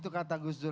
itu kata gus dur